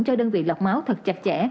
cho đơn vị lọc máu thật chặt chẽ